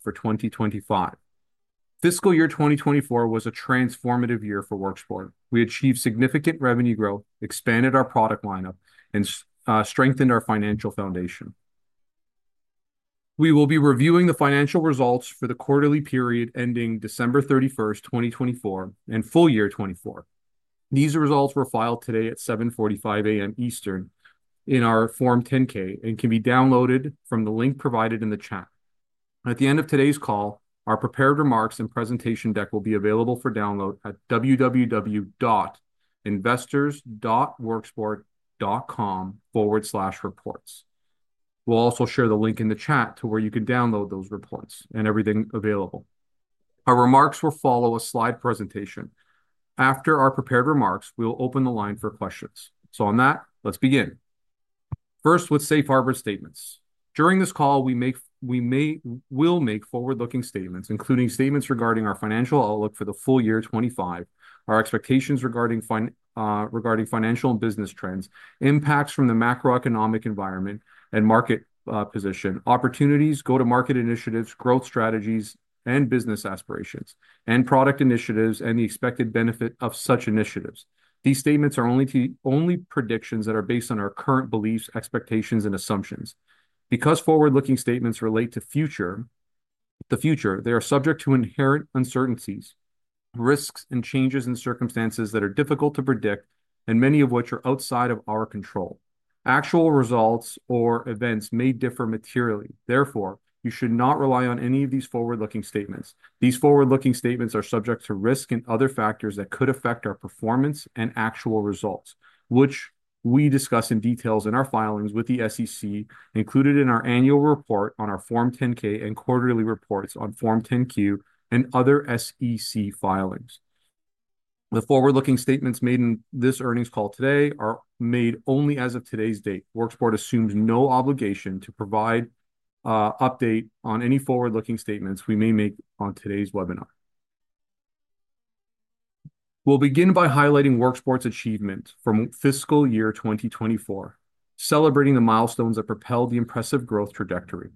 For 2025. Fiscal year 2024 was a transformative year for Worksport. We achieved significant revenue growth, expanded our product lineup, and strengthened our financial foundation. We will be reviewing the financial results for the quarterly period ending December 31st, 2024, and full year 2024. These results were filed today at 7:45 A.M. Eastern in our Form 10-K and can be downloaded from the link provided in the chat. At the end of today's call, our prepared remarks and presentation deck will be available for download at www.investors.worksport.com/reports. We'll also share the link in the chat to where you can download those reports and everything available. Our remarks will follow a slide presentation. After our prepared remarks, we'll open the line for questions. On that, let's begin. First, with safe harbor statements. During this call, we will make forward-looking statements, including statements regarding our financial outlook for the full year 2025, our expectations regarding financial and business trends, impacts from the macroeconomic environment and market position, opportunities, go-to-market initiatives, growth strategies, and business aspirations, and product initiatives and the expected benefit of such initiatives. These statements are only predictions that are based on our current beliefs, expectations, and assumptions. Because forward-looking statements relate to the future, they are subject to inherent uncertainties, risks, and changes in circumstances that are difficult to predict, and many of which are outside of our control. Actual results or events may differ materially. Therefore, you should not rely on any of these forward-looking statements. These forward-looking statements are subject to risk and other factors that could affect our performance and actual results, which we discuss in detail in our filings with the SEC, included in our annual report on our Form 10-K and quarterly reports on Form 10-Q and other SEC filings. The forward-looking statements made in this earnings call today are made only as of today's date. Worksport assumes no obligation to provide an update on any forward-looking statements we may make on today's webinar. We'll begin by highlighting Worksport's achievements from fiscal year 2024, celebrating the milestones that propelled the impressive growth trajectory.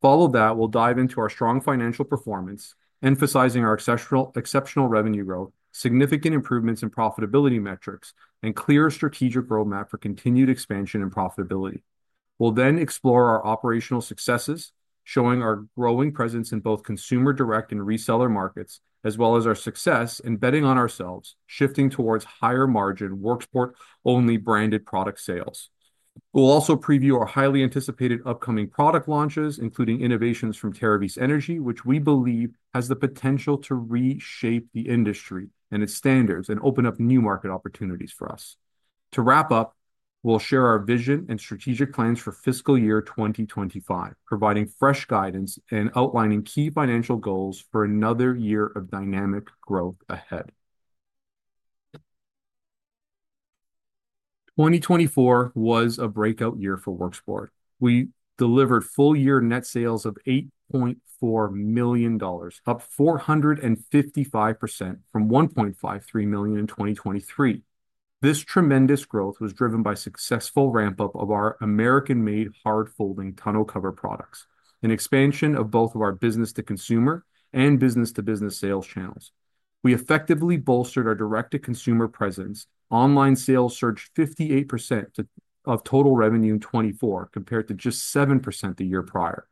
Following that, we'll dive into our strong financial performance, emphasizing our exceptional revenue growth, significant improvements in profitability metrics, and clear strategic roadmap for continued expansion and profitability. We'll then explore our operational successes, showing our growing presence in both consumer direct and reseller markets, as well as our success in betting on ourselves, shifting towards higher-margin, Worksport-only branded product sales. We'll also preview our highly anticipated upcoming product launches, including innovations from Terravis Energy, which we believe has the potential to reshape the industry and its standards and open up new market opportunities for us. To wrap up, we'll share our vision and strategic plans for fiscal year 2025, providing fresh guidance and outlining key financial goals for another year of dynamic growth ahead. 2024 was a breakout year for Worksport. We delivered full-year net sales of $8.4 million, up 455% from $1.53 million in 2023. This tremendous growth was driven by a successful ramp-up of our American-made hard-folding tonneau cover products, an expansion of both our business-to-consumer and business-to-business sales channels. We effectively bolstered our direct-to-consumer presence. Online sales surged to 58% of total revenue in 2024, compared to just 7% the year prior.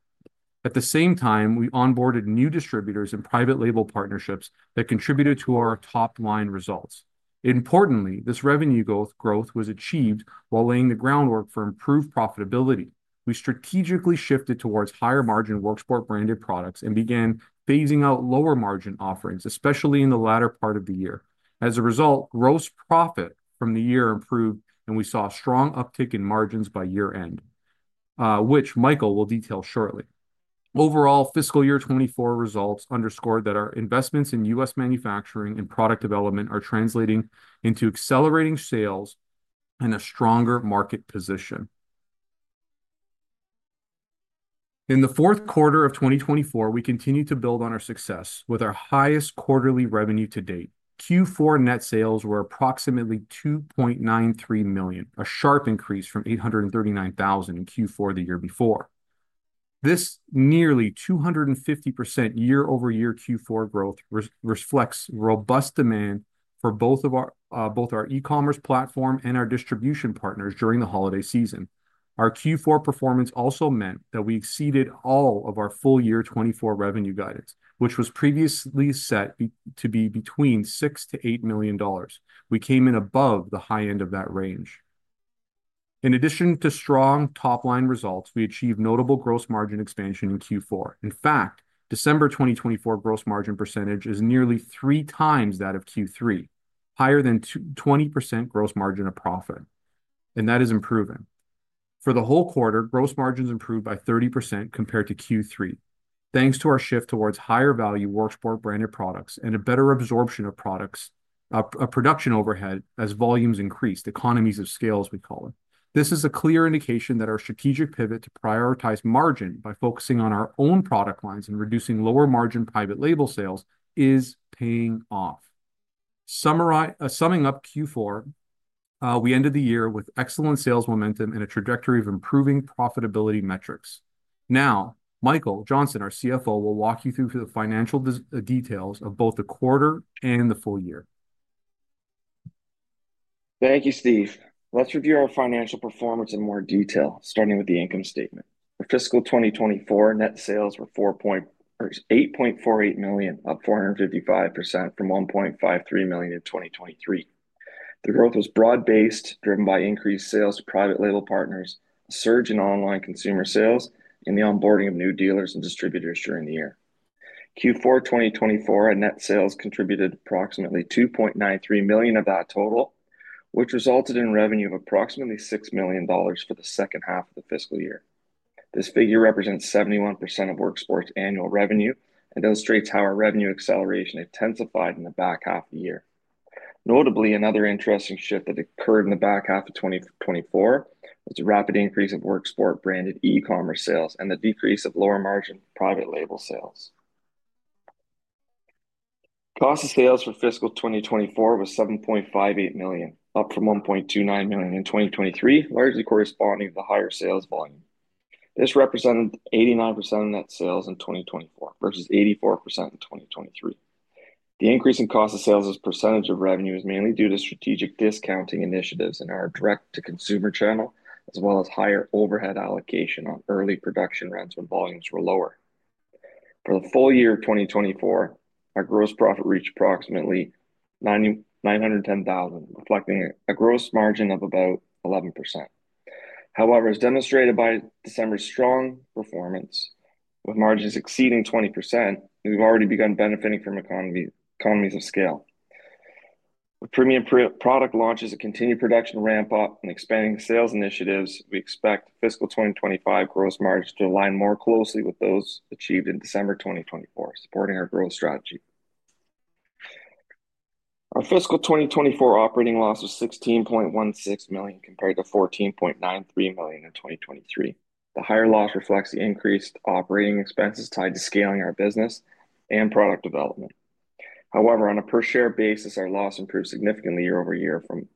At the same time, we onboarded new distributors and private label partnerships that contributed to our top-line results. Importantly, this revenue growth was achieved while laying the groundwork for improved profitability. We strategically shifted towards higher-margin Worksport-branded products and began phasing out lower-margin offerings, especially in the latter part of the year. As a result, gross profit from the year improved, and we saw a strong uptick in margins by year-end, which Michael will detail shortly. Overall, fiscal year 2024 results underscored that our investments in U.S. manufacturing and product development are translating into accelerating sales and a stronger market position. In the fourth quarter of 2024, we continued to build on our success with our highest quarterly revenue to date. Q4 net sales were approximately $2.93 million, a sharp increase from $839,000 in Q4 the year before. This nearly 250% year-over-year Q4 growth reflects robust demand for both our e-commerce platform and our distribution partners during the holiday season. Our Q4 performance also meant that we exceeded all of our full-year 2024 revenue guidance, which was previously set to be between $6-$8 million. We came in above the high end of that range. In addition to strong top-line results, we achieved notable gross margin expansion in Q4. In fact, December 2024 gross margin percentage is nearly three times that of Q3, higher than 20% gross margin of profit, and that is improving. For the whole quarter, gross margins improved by 30% compared to Q3, thanks to our shift towards higher-value Worksport-branded products and a better absorption of production overhead as volumes increased, economies of scale, as we call it. This is a clear indication that our strategic pivot to prioritize margin by focusing on our own product lines and reducing lower-margin private label sales is paying off. Summing up Q4, we ended the year with excellent sales momentum and a trajectory of improving profitability metrics. Now, Michael Johnston, our CFO, will walk you through the financial details of both the quarter and the full year. Thank you, Steve. Let's review our financial performance in more detail, starting with the income statement. For fiscal 2024, net sales were $8.48 million, up 455% from $1.53 million in 2023. The growth was broad-based, driven by increased sales to private label partners, a surge in online consumer sales, and the onboarding of new dealers and distributors during the year. Q4 2024, net sales contributed approximately $2.93 million of that total, which resulted in revenue of approximately $6 million for the second half of the fiscal year. This figure represents 71% of Worksport's annual revenue and illustrates how our revenue acceleration intensified in the back half of the year. Notably, another interesting shift that occurred in the back half of 2024 was the rapid increase of Worksport-branded e-commerce sales and the decrease of lower-margin private label sales. Cost of sales for fiscal 2024 was $7.58 million, up from $1.29 million in 2023, largely corresponding to the higher sales volume. This represented 89% of net sales in 2024 versus 84% in 2023. The increase in cost of sales as a percentage of revenue is mainly due to strategic discounting initiatives in our direct-to-consumer channel, as well as higher overhead allocation on early production runs when volumes were lower. For the full year of 2024, our gross profit reached approximately $910,000, reflecting a gross margin of about 11%. However, as demonstrated by December's strong performance, with margins exceeding 20%, we've already begun benefiting from economies of scale. With premium product launches, a continued production ramp-up, and expanding sales initiatives, we expect fiscal 2025 gross margins to align more closely with those achieved in December 2024, supporting our growth strategy. Our fiscal 2024 operating loss was $16.16 million compared to $14.93 million in 2023. The higher loss reflects the increased operating expenses tied to scaling our business and product development. However, on a per-share basis, our loss improved significantly year-over-year from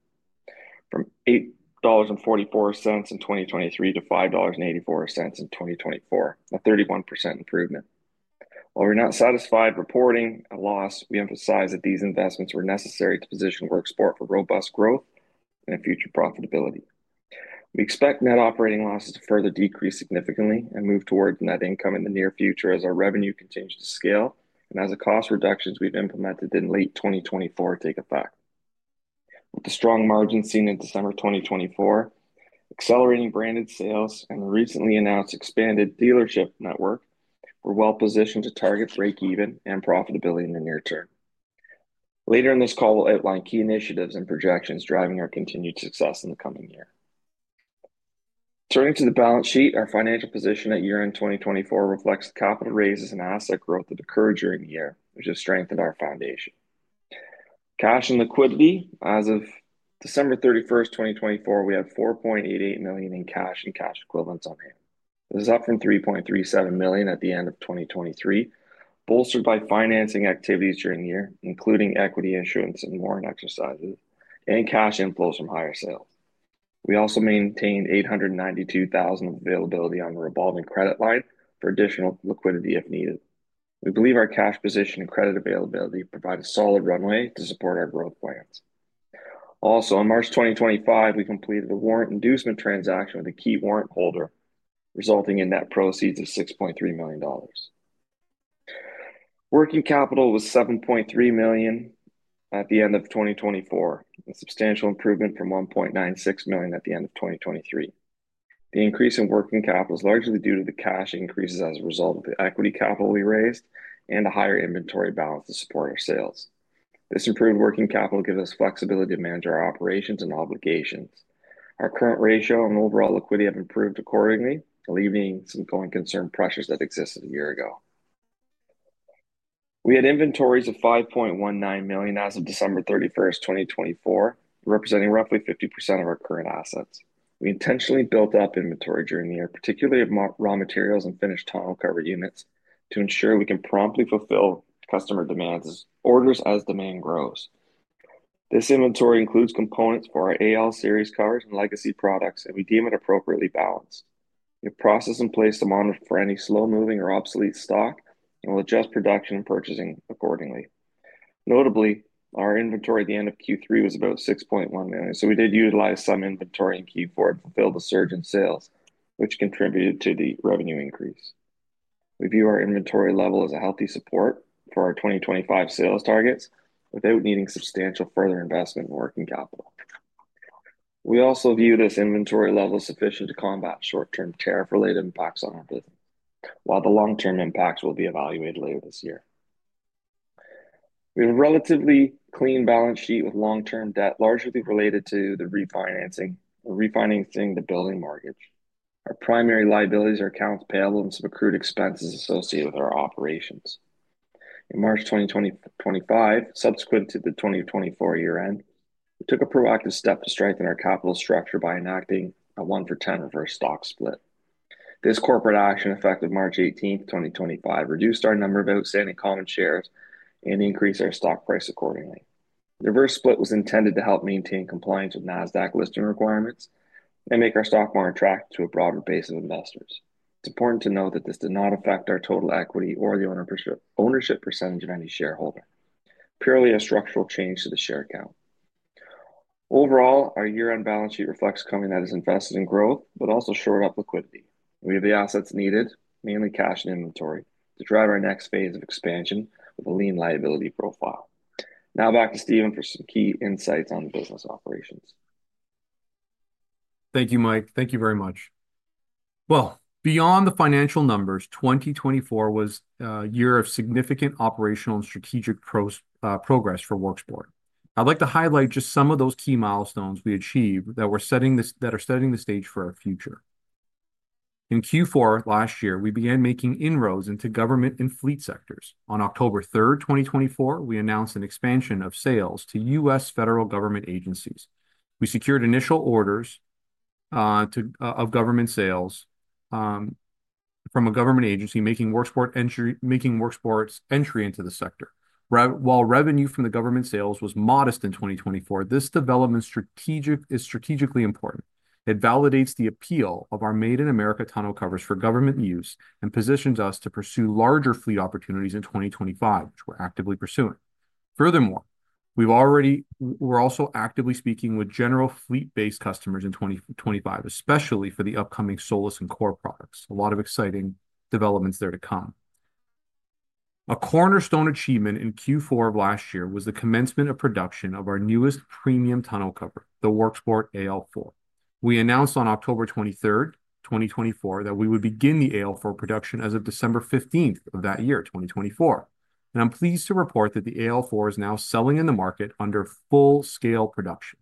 $8.44 in 2023 to $5.84 in 2024, a 31% improvement. While we're not satisfied reporting a loss, we emphasize that these investments were necessary to position Worksport for robust growth and future profitability. We expect net operating losses to further decrease significantly and move towards net income in the near future as our revenue continues to scale and as the cost reductions we've implemented in late 2024 take effect. With the strong margins seen in December 2024, accelerating branded sales, and the recently announced expanded dealership network, we're well-positioned to target break-even and profitability in the near term. Later in this call, we'll outline key initiatives and projections driving our continued success in the coming year. Turning to the balance sheet, our financial position at year-end 2024 reflects capital raises and asset growth that occurred during the year, which has strengthened our foundation. Cash and liquidity: as of December 31, 2024, we had $4.88 million in cash and cash equivalents on hand. This is up from $3.37 million at the end of 2023, bolstered by financing activities during the year, including equity issuance and warrant exercises, and cash inflows from higher sales. We also maintained $892,000 of availability on the revolving credit line for additional liquidity if needed. We believe our cash position and credit availability provide a solid runway to support our growth plans. Also, in March 2025, we completed a warrant inducement transaction with a key warrant holder, resulting in net proceeds of $6.3 million. Working capital was $7.3 million at the end of 2024, a substantial improvement from $1.96 million at the end of 2023. The increase in working capital is largely due to the cash increases as a result of the equity capital we raised and a higher inventory balance to support our sales. This improved working capital gives us flexibility to manage our operations and obligations. Our current ratio and overall liquidity have improved accordingly, alleviating some concerning pressures that existed a year ago. We had inventories of $5.19 million as of December 31st, 2024, representing roughly 50% of our current assets. We intentionally built up inventory during the year, particularly of raw materials and finished tonneau cover units, to ensure we can promptly fulfill customer demands as demand grows. This inventory includes components for our AL Series covers and legacy products, and we deem it appropriately balanced. We have processes in place to monitor for any slow-moving or obsolete stock and will adjust production and purchasing accordingly. Notably, our inventory at the end of Q3 was about $6.1 million, so we did utilize some inventory in Q4 and fulfilled the surge in sales, which contributed to the revenue increase. We view our inventory level as a healthy support for our 2025 sales targets without needing substantial further investment in working capital. We also view this inventory level as sufficient to combat short-term tariff-related impacts on our business, while the long-term impacts will be evaluated later this year. We have a relatively clean balance sheet with long-term debt largely related to the refinancing and refinancing the building mortgage. Our primary liabilities are accounts payable and some accrued expenses associated with our operations. In March 2025, subsequent to the 2024 year-end, we took a proactive step to strengthen our capital structure by enacting a 1-for-10 reverse stock split. This corporate action, effective March 18, 2025, reduced our number of outstanding common shares and increased our stock price accordingly. The reverse split was intended to help maintain compliance with NASDAQ listing requirements and make our stock more attractive to a broader base of investors. It's important to note that this did not affect our total equity or the ownership percentage of any shareholder, purely a structural change to the share count. Overall, our year-end balance sheet reflects coming out as invested in growth, but also short of liquidity. We have the assets needed, mainly cash and inventory, to drive our next phase of expansion with a lean liability profile. Now back to Steven for some key insights on business operations. Thank you, Mike. Thank you very much. Beyond the financial numbers, 2024 was a year of significant operational and strategic progress for Worksport. I'd like to highlight just some of those key milestones we achieved that are setting the stage for our future. In Q4 last year, we began making inroads into government and fleet sectors. On October 3rd, 2024, we announced an expansion of sales to U.S. federal government agencies. We secured initial orders of government sales from a government agency, making Worksport's entry into the sector. While revenue from the government sales was modest in 2024, this development is strategically important. It validates the appeal of our made-in-America tonneau covers for government use and positions us to pursue larger fleet opportunities in 2025, which we're actively pursuing. Furthermore, we're also actively speaking with general fleet-based customers in 2025, especially for the upcoming SOLIS and COR products. A lot of exciting developments there to come. A cornerstone achievement in Q4 of last year was the commencement of production of our newest premium tonneau cover, the Worksport AL4. We announced on October 23rd, 2024, that we would begin the AL4 production as of December 15th of that year, 2024. I'm pleased to report that the AL4 is now selling in the market under full-scale production.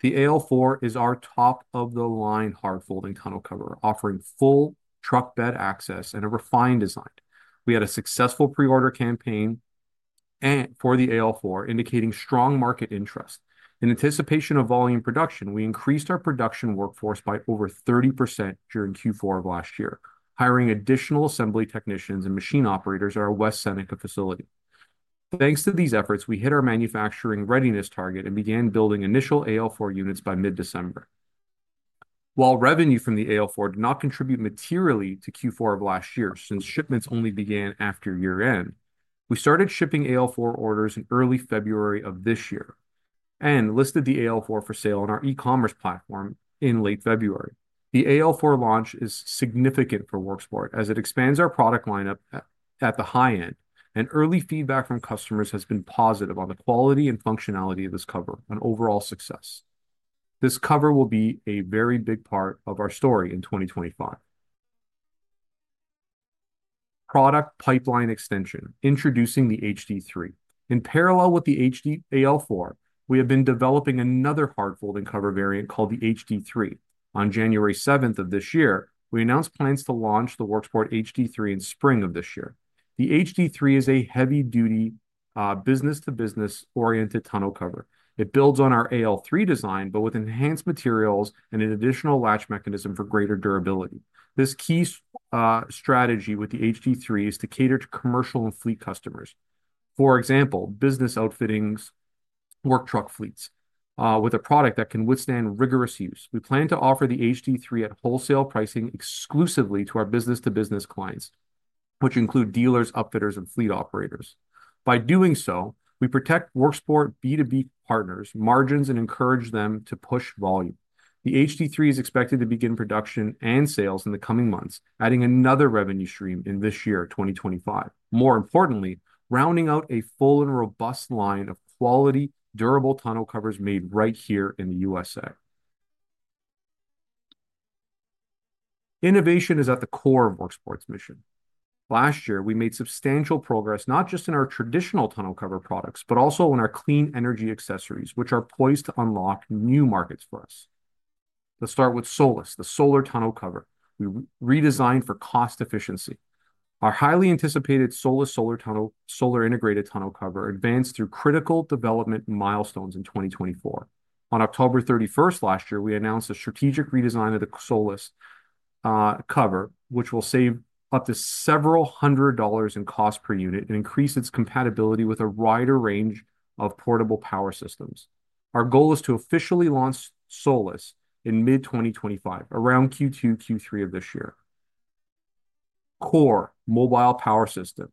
The AL4 is our top-of-the-line hard-folding tonneau cover, offering full truck bed access and a refined design. We had a successful pre-order campaign for the AL4, indicating strong market interest. In anticipation of volume production, we increased our production workforce by over 30% during Q4 of last year, hiring additional assembly technicians and machine operators at our West Seneca facility. Thanks to these efforts, we hit our manufacturing readiness target and began building initial AL4 units by mid-December. While revenue from the AL4 did not contribute materially to Q4 of last year, since shipments only began after year-end, we started shipping AL4 orders in early February of this year and listed the AL4 for sale on our e-commerce platform in late February. The AL4 launch is significant for Worksport as it expands our product lineup at the high end, and early feedback from customers has been positive on the quality and functionality of this cover and overall success. This cover will be a very big part of our story in 2025. Product pipeline extension: Introducing the HD3. In parallel with the AL4, we have been developing another hard-folding cover variant called the HD3. On January 7th of this year, we announced plans to launch the Worksport HD3 in spring of this year. The HD3 is a heavy-duty business-to-business oriented tonneau cover. It builds on our AL3 design, but with enhanced materials and an additional latch mechanism for greater durability. This key strategy with the HD3 is to cater to commercial and fleet customers. For example, business outfittings, work truck fleets, with a product that can withstand rigorous use. We plan to offer the HD3 at wholesale pricing exclusively to our business-to-business clients, which include dealers, upfitters, and fleet operators. By doing so, we protect Worksport B2B partners' margins and encourage them to push volume. The HD3 is expected to begin production and sales in the coming months, adding another revenue stream in this year, 2025. More importantly, rounding out a full and robust line of quality, durable tonneau covers made right here in the U.S. Innovation is at the core of Worksport's mission. Last year, we made substantial progress not just in our traditional tonneau cover products, but also in our clean energy accessories, which are poised to unlock new markets for us. Let's start with SOLIS, the solar tonneau cover. We redesigned for cost efficiency. Our highly anticipated SOLIS solar integrated tonneau cover advanced through critical development milestones in 2024. On October 31st last year, we announced a strategic redesign of the SOLIS cover, which will save up to several hundred dollars in cost per unit and increase its compatibility with a wider range of portable power systems. Our goal is to officially launch SOLIS in mid-2025, around Q2, Q3 of this year. COR mobile power system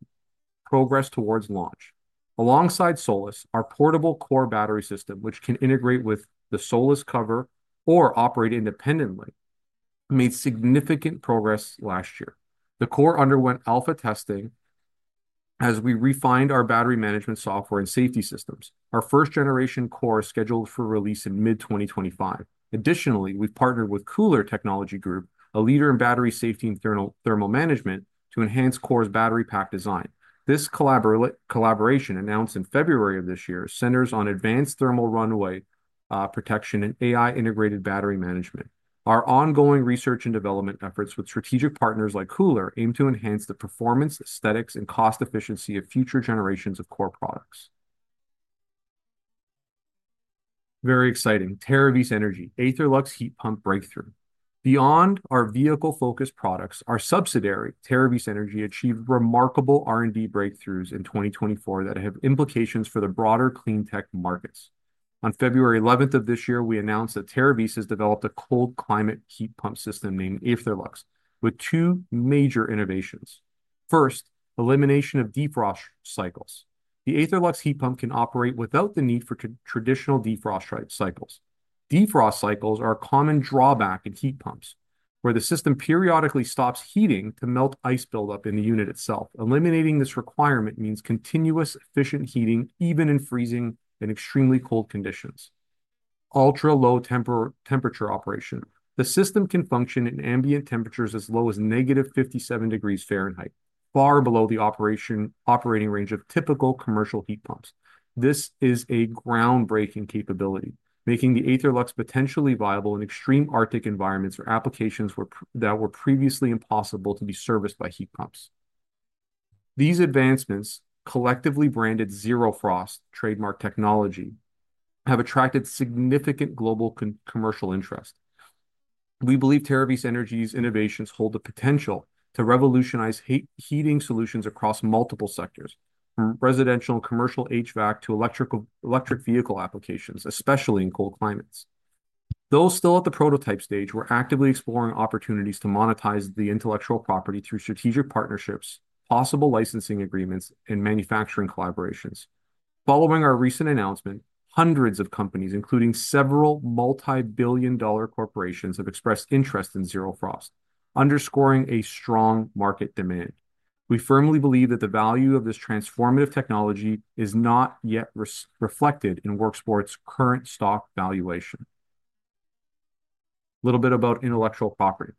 progress towards launch. Alongside SOLIS, our portable COR battery system, which can integrate with the SOLIS cover or operate independently, made significant progress last year. The COR underwent alpha testing as we refined our battery management software and safety systems. Our first-generation COR is scheduled for release in mid-2025. Additionally, we've partnered with KULR Technology Group, a leader in battery safety and thermal management, to enhance COR's battery pack design. This collaboration, announced in February of this year, centers on advanced thermal runaway protection and AI-integrated battery management. Our ongoing research and development efforts with strategic partners like KULR aim to enhance the performance, aesthetics, and cost efficiency of future generations of COR products. Very exciting. Terravis Energy: AetherLux Heat Pump Breakthrough. Beyond our vehicle-focused products, our subsidiary, Terravis Energy, achieved remarkable R&D breakthroughs in 2024 that have implications for the broader clean tech markets. On February 11th of this year, we announced that Terravis has developed a cold climate heat pump system named AetherLux, with two major innovations. First, elimination of defrost cycles. The AetherLux heat pump can operate without the need for traditional defrost cycles. Defrost cycles are a common drawback in heat pumps, where the system periodically stops heating to melt ice buildup in the unit itself. Eliminating this requirement means continuous efficient heating, even in freezing and extremely cold conditions. Ultra low temperature operation. The system can function in ambient temperatures as low as negative 57 degrees Fahrenheit, far below the operating range of typical commercial heat pumps. This is a groundbreaking capability, making the AetherLux potentially viable in extreme Arctic environments or applications that were previously impossible to be serviced by heat pumps. These advancements, collectively branded Zero Frost, trademark technology, have attracted significant global commercial interest. We believe Terravis Energy's innovations hold the potential to revolutionize heating solutions across multiple sectors, from residential and commercial HVAC to electric vehicle applications, especially in cold climates. Though still at the prototype stage, we're actively exploring opportunities to monetize the intellectual property through strategic partnerships, possible licensing agreements, and manufacturing collaborations. Following our recent announcement, hundreds of companies, including several multi-billion dollar corporations, have expressed interest in Zero Frost, underscoring a strong market demand. We firmly believe that the value of this transformative technology is not yet reflected in Worksport's current stock valuation. A little bit about intellectual property.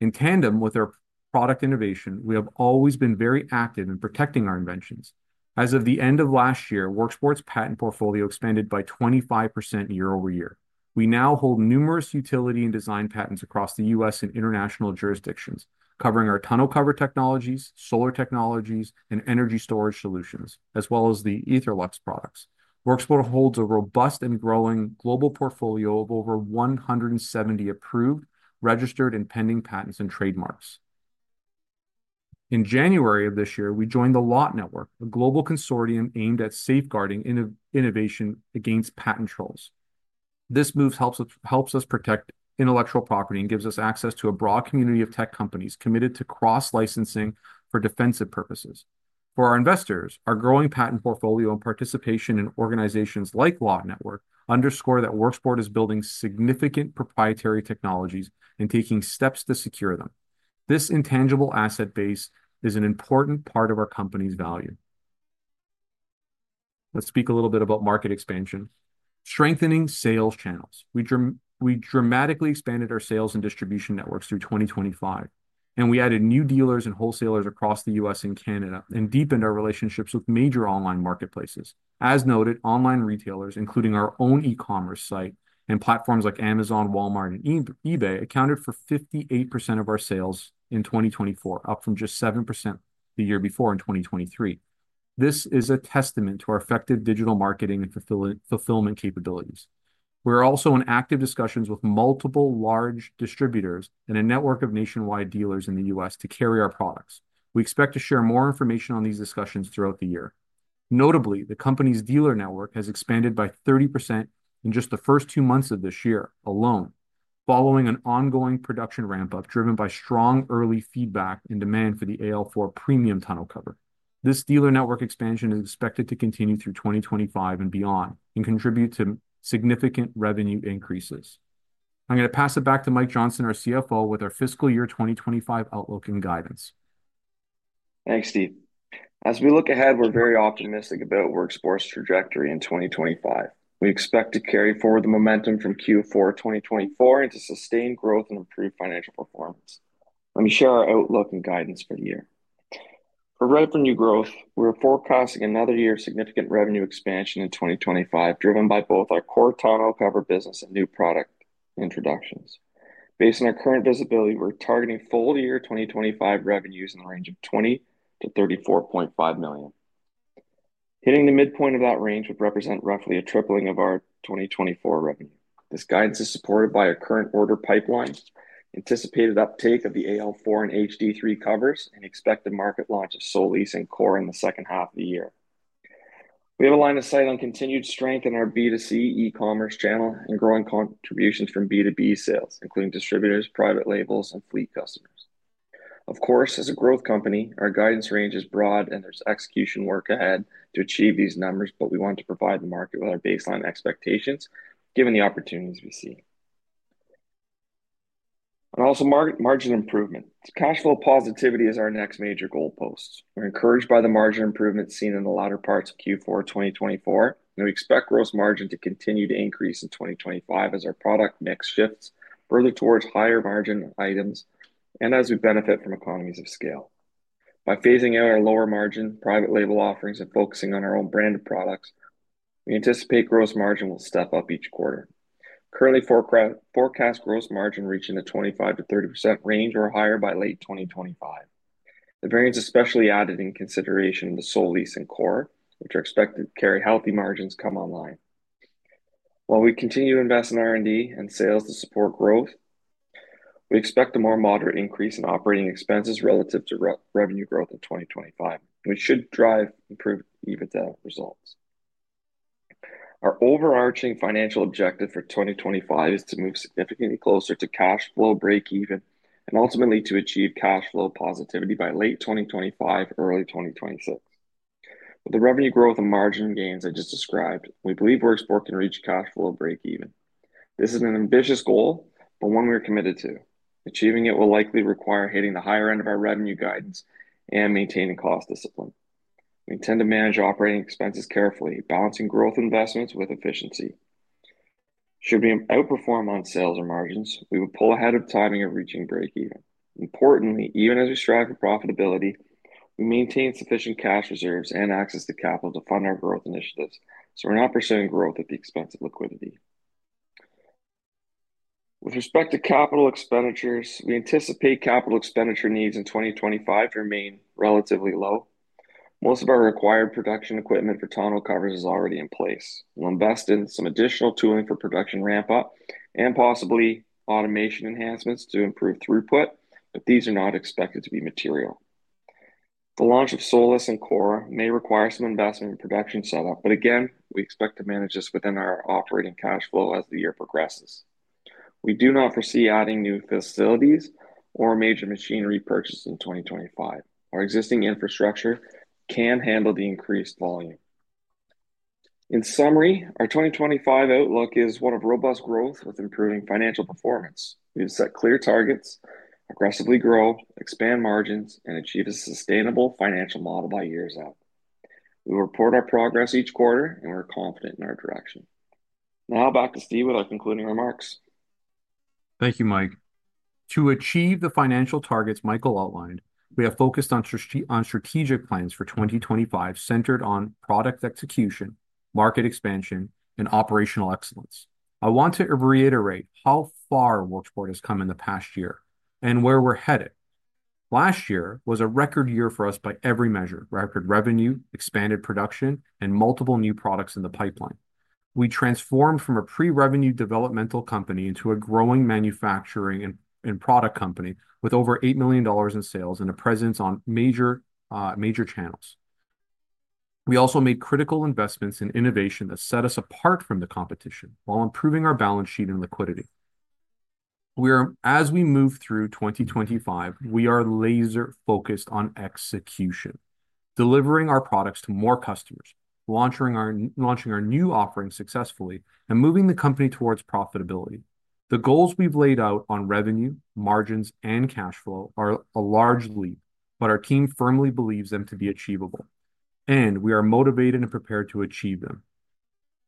In tandem with our product innovation, we have always been very active in protecting our inventions. As of the end of last year, Worksport's patent portfolio expanded by 25% year over year. We now hold numerous utility and design patents across the U.S. and international jurisdictions, covering our tonneau cover technologies, solar technologies, and energy storage solutions, as well as the AetherLux products. Worksport holds a robust and growing global portfolio of over 170 approved, registered, and pending patents and trademarks. In January of this year, we joined the LOT Network, a global consortium aimed at safeguarding innovation against patent trolls. This move helps us protect intellectual property and gives us access to a broad community of tech companies committed to cross-licensing for defensive purposes. For our investors, our growing patent portfolio and participation in organizations like LOT Network underscore that Worksport is building significant proprietary technologies and taking steps to secure them. This intangible asset base is an important part of our company's value. Let's speak a little bit about market expansion. Strengthening sales channels. We dramatically expanded our sales and distribution networks through 2025, and we added new dealers and wholesalers across the U.S. and Canada and deepened our relationships with major online marketplaces. As noted, online retailers, including our own e-commerce site and platforms like Amazon, Walmart, and eBay, accounted for 58% of our sales in 2024, up from just 7% the year before in 2023. This is a testament to our effective digital marketing and fulfillment capabilities. We are also in active discussions with multiple large distributors and a network of nationwide dealers in the U.S. to carry our products. We expect to share more information on these discussions throughout the year. Notably, the company's dealer network has expanded by 30% in just the first two months of this year alone, following an ongoing production ramp-up driven by strong early feedback and demand for the AL4 premium tonneau cover. This dealer network expansion is expected to continue through 2025 and beyond and contribute to significant revenue increases. I'm going to pass it back to Mike Johnston, our CFO, with our fiscal year 2025 outlook and guidance. Thanks, Steve. As we look ahead, we're very optimistic about Worksport's trajectory in 2025. We expect to carry forward the momentum from Q4 2024 and to sustain growth and improve financial performance. Let me share our outlook and guidance for the year. For revenue growth, we're forecasting another year of significant revenue expansion in 2025, driven by both our COR tonneau cover business and new product introductions. Based on our current visibility, we're targeting full-year 2025 revenues in the range of $20 million-$34.5 million. Hitting the midpoint of that range would represent roughly a tripling of our 2024 revenue. This guidance is supported by our current order pipeline, anticipated uptake of the AL4 and HD3 covers, and expected market launch of SOLIS and COR in the second half of the year. We have a line of sight on continued strength in our B2C e-commerce channel and growing contributions from B2B sales, including distributors, private labels, and fleet customers. Of course, as a growth company, our guidance range is broad and there is execution work ahead to achieve these numbers, but we want to provide the market with our baseline expectations, given the opportunities we see. Margin improvement is also a focus. Cash flow positivity is our next major goalpost. We are encouraged by the margin improvement seen in the latter parts of Q4 2024, and we expect gross margin to continue to increase in 2025 as our product mix shifts further towards higher margin items and as we benefit from economies of scale. By phasing out our lower margin, private label offerings, and focusing on our own branded products, we anticipate gross margin will step up each quarter. Currently, forecast gross margin reaching a 25%-30% range or higher by late 2025. The variance is especially added in consideration of the SOLIS and COR, which are expected to carry healthy margins come online. While we continue to invest in R&D and sales to support growth, we expect a more moderate increase in operating expenses relative to revenue growth in 2025, which should drive improved EBITDA results. Our overarching financial objective for 2025 is to move significantly closer to cash flow break-even and ultimately to achieve cash flow positivity by late 2025, early 2026. With the revenue growth and margin gains I just described, we believe Worksport can reach cash flow break-even. This is an ambitious goal, but one we are committed to. Achieving it will likely require hitting the higher end of our revenue guidance and maintaining cost discipline. We intend to manage operating expenses carefully, balancing growth investments with efficiency. Should we outperform on sales or margins, we will pull ahead of timing and reaching break-even. Importantly, even as we strive for profitability, we maintain sufficient cash reserves and access to capital to fund our growth initiatives, so we're not pursuing growth at the expense of liquidity. With respect to capital expenditures, we anticipate capital expenditure needs in 2025 to remain relatively low. Most of our required production equipment for tonneau covers is already in place. We'll invest in some additional tooling for production ramp-up and possibly automation enhancements to improve throughput, but these are not expected to be material. The launch of SOLIS and COR may require some investment in production setup, but again, we expect to manage this within our operating cash flow as the year progresses. We do not foresee adding new facilities or major machinery purchases in 2025. Our existing infrastructure can handle the increased volume. In summary, our 2025 outlook is one of robust growth with improving financial performance. We have set clear targets, aggressively grow, expand margins, and achieve a sustainable financial model by years out. We will report our progress each quarter, and we're confident in our direction. Now, back to Steve with our concluding remarks. Thank you, Mike. To achieve the financial targets Michael outlined, we have focused on strategic plans for 2025 centered on product execution, market expansion, and operational excellence. I want to reiterate how far Worksport has come in the past year and where we're headed. Last year was a record year for us by every measure: record revenue, expanded production, and multiple new products in the pipeline. We transformed from a pre-revenue developmental company into a growing manufacturing and product company with over $8 million in sales and a presence on major channels. We also made critical investments in innovation that set us apart from the competition while improving our balance sheet and liquidity. As we move through 2025, we are laser-focused on execution, delivering our products to more customers, launching our new offering successfully, and moving the company towards profitability. The goals we've laid out on revenue, margins, and cash flow are a large leap, but our team firmly believes them to be achievable, and we are motivated and prepared to achieve them.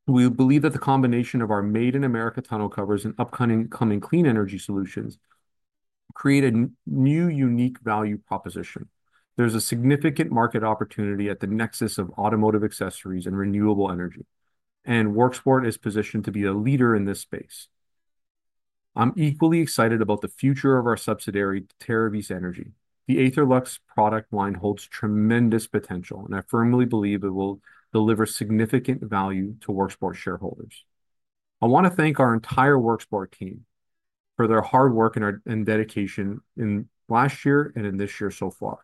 We believe that the combination of our made-in-America tonneau covers and upcoming clean energy solutions create a new unique value proposition. There's a significant market opportunity at the nexus of automotive accessories and renewable energy, and Worksport is positioned to be a leader in this space. I'm equally excited about the future of our subsidiary, Terravis Energy. The AetherLux product line holds tremendous potential, and I firmly believe it will deliver significant value to Worksport shareholders. I want to thank our entire Worksport team for their hard work and dedication in last year and in this year so far.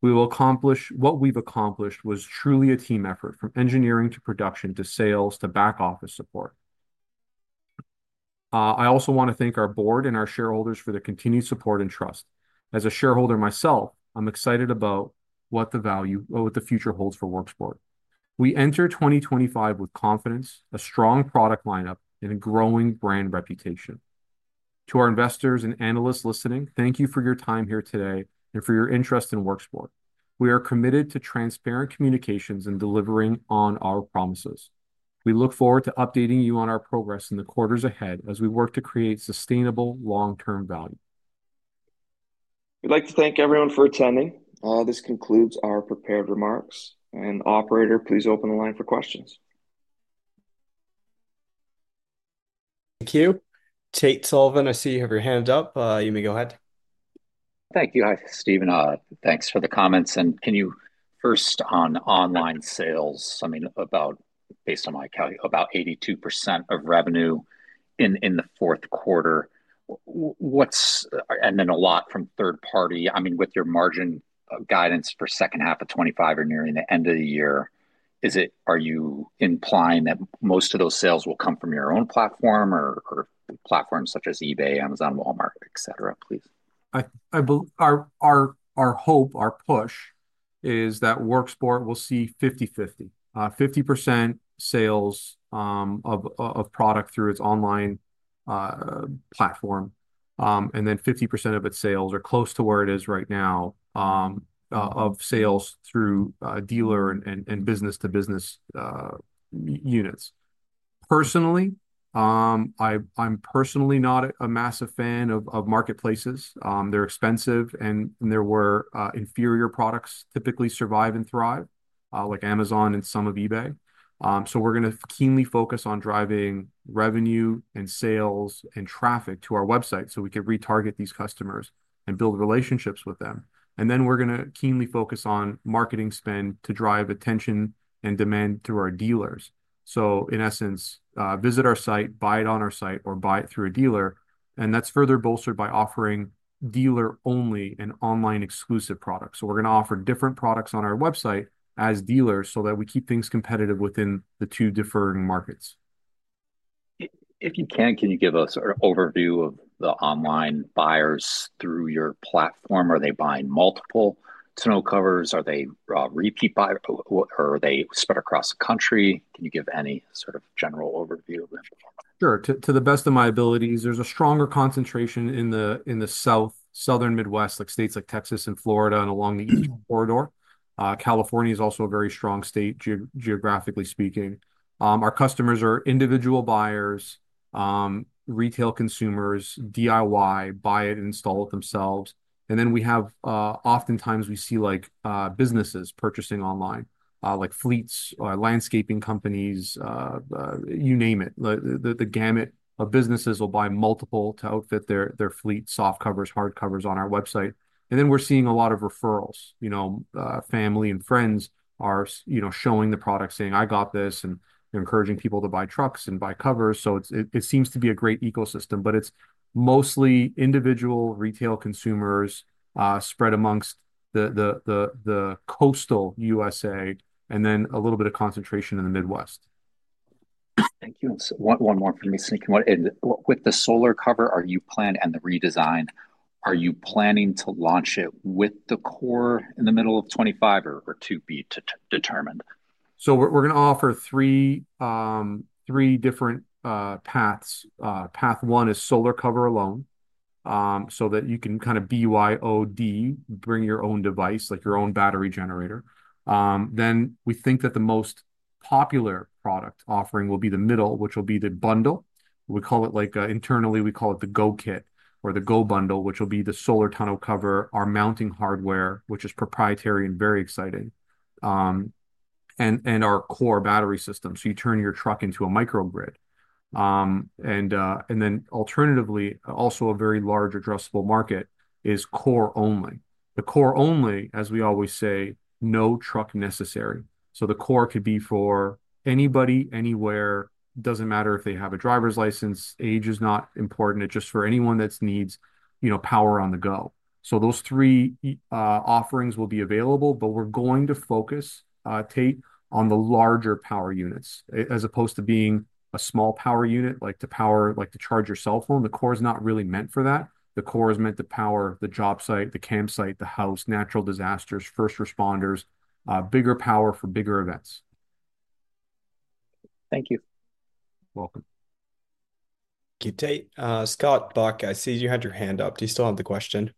What we've accomplished was truly a team effort, from engineering to production to sales to back office support. I also want to thank our board and our shareholders for their continued support and trust. As a shareholder myself, I'm excited about the value of what the future holds for Worksport. We enter 2025 with confidence, a strong product lineup, and a growing brand reputation. To our investors and analysts listening, thank you for your time here today and for your interest in Worksport. We are committed to transparent communications and delivering on our promises. We look forward to updating you on our progress in the quarters ahead as we work to create sustainable long-term value. We'd like to thank everyone for attending. This concludes our prepared remarks. Operator, please open the line for questions. Thank you. Tate Sullivan, I see you have your hand up. You may go ahead. Thank you, Steven. Thanks for the comments. Can you first on online sales, I mean, based on my calculation, about 82% of revenue in the fourth quarter. A lot from third party, I mean, with your margin guidance for second half of 2025 or nearing the end of the year, are you implying that most of those sales will come from your own platform or platforms such as eBay, Amazon, Walmart, et cetera, please? Our hope, our push is that Worksport will see 50-50, 50% sales of product through its online platform, and then 50% of its sales are close to where it is right now of sales through dealer and business-to-business units. Personally, I'm personally not a massive fan of marketplaces. They're expensive, and there where inferior products typically survive and thrive, like Amazon and some of eBay. We're going to keenly focus on driving revenue and sales and traffic to our website so we can retarget these customers and build relationships with them. We're going to keenly focus on marketing spend to drive attention and demand through our dealers. In essence, visit our site, buy it on our site, or buy it through a dealer. That's further bolstered by offering dealer-only and online exclusive products. We're going to offer different products on our website as dealers so that we keep things competitive within the two differing markets. If you can, can you give us an overview of the online buyers through your platform? Are they buying multiple tonneau covers? Are they repeat buyers? Are they spread across the country? Can you give any sort of general overview of them? Sure. To the best of my abilities, there's a stronger concentration in the South, Southern Midwest, like states like Texas and Florida and along the Eastern Corridor. California is also a very strong state geographically speaking. Our customers are individual buyers, retail consumers, DIY, buy it and install it themselves. We have oftentimes we see businesses purchasing online, like fleets, landscaping companies, you name it. The gamut of businesses will buy multiple to outfit their fleet soft covers, hard covers on our website. We are seeing a lot of referrals. Family and friends are showing the product, saying, "I got this," and encouraging people to buy trucks and buy covers. It seems to be a great ecosystem, but it's mostly individual retail consumers spread amongst the coastal U.S. and then a little bit of concentration in the Midwest. Thank you. One more from me, Steven. With the solar cover and the redesign, are you planning to launch it with the COR in the middle of 2025 or to be determined? We're going to offer three different paths. Path one is solar cover alone so that you can kind of BYOD, bring your own device, like your own battery generator. We think that the most popular product offering will be the middle, which will be the bundle. We call it, internally, we call it the Go Kit or the Go Bundle, which will be the solar tonneau cover, our mounting hardware, which is proprietary and very exciting, and our COR battery system. You turn your truck into a microgrid. Alternatively, also a very large addressable market is COR only. The COR only, as we always say, no truck necessary. The COR could be for anybody, anywhere. It does not matter if they have a driver's license. Age is not important. It is just for anyone that needs power on the go. Those three offerings will be available, but we're going to focus, Tate, on the larger power units as opposed to being a small power unit, like to charge your cell phone. The COR is not really meant for that. The COR is meant to power the job site, the campsite, the house, natural disasters, first responders, bigger power for bigger events. Thank you. You're welcome. Okay, Tate. Scott Buck, I see you had your hand up. Do you still have the question?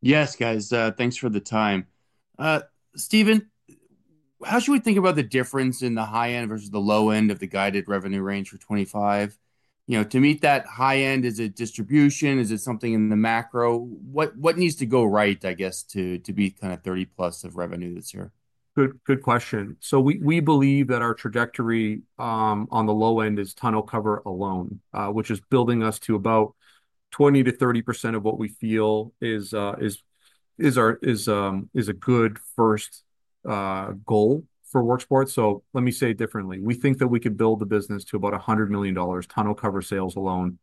Yes, guys. Thanks for the time. Steven, how should we think about the difference in the high end versus the low end of the guided revenue range for 2025? To meet that high end, is it distribution? Is it something in the macro? What needs to go right, I guess, to be kind of 30-plus of revenue this year? Good question. We believe that our trajectory on the low end is tonneau cover alone, which is building us to about 20-30% of what we feel is a good first goal for Worksport. Let me say it differently. We think that we can build the business to about $100 million tonneau cover sales alone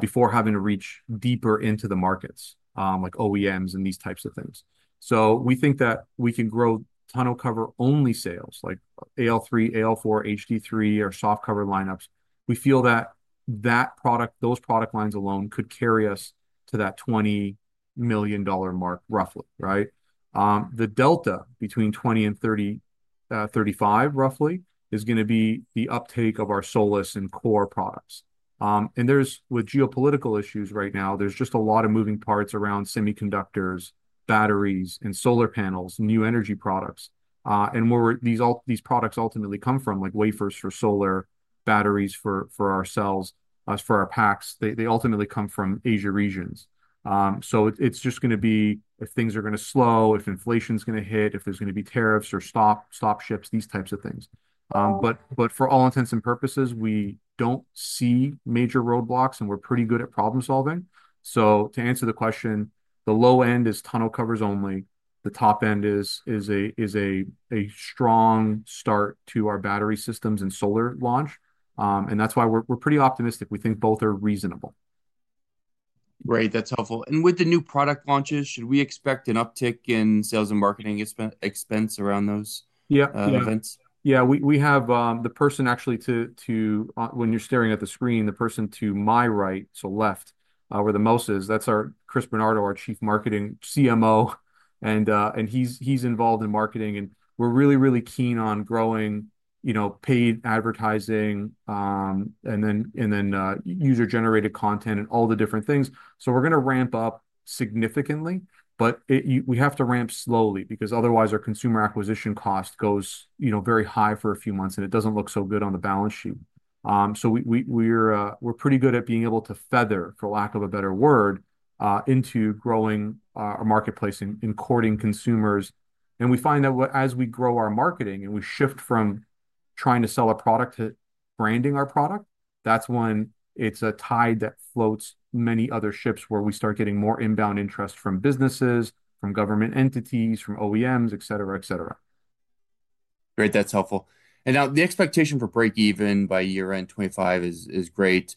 before having to reach deeper into the markets, like OEMs and these types of things. We think that we can grow tonneau cover-only sales, like AL3, AL4, HD3, or soft cover lineups. We feel that those product lines alone could carry us to that $20 million mark, roughly, right? The delta between 20 and 35, roughly, is going to be the uptake of our SOLIS and COR products. With geopolitical issues right now, there are just a lot of moving parts around semiconductors, batteries, and solar panels, new energy products. Where these products ultimately come from, like wafers for solar, batteries for our cells, for our packs, they ultimately come from Asia regions. It is just going to be if things are going to slow, if inflation's going to hit, if there's going to be tariffs or stop ships, these types of things. For all intents and purposes, we do not see major roadblocks, and we are pretty good at problem-solving. To answer the question, the low end is tonneau covers only. The top end is a strong start to our battery systems and solar launch. That is why we are pretty optimistic. We think both are reasonable. Great. That's helpful. With the new product launches, should we expect an uptick in sales and marketing expense around those events? Yeah. Yeah. The person actually to, when you're staring at the screen, the person to my right, so left, where the mouse is, that's Chris Bernardo, our Chief Marketing Officer. And he's involved in marketing. We're really, really keen on growing paid advertising and then user-generated content and all the different things. We're going to ramp up significantly, but we have to ramp slowly because otherwise our consumer acquisition cost goes very high for a few months, and it doesn't look so good on the balance sheet. We're pretty good at being able to feather, for lack of a better word, into growing our marketplace and courting consumers. We find that as we grow our marketing and we shift from trying to sell a product to branding our product, that's when it's a tide that floats many other ships where we start getting more inbound interest from businesses, from government entities, from OEMs, et cetera, et cetera. Great. That's helpful. The expectation for break-even by year-end 2025 is great.